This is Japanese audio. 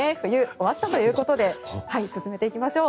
終わったということで進めていきましょう。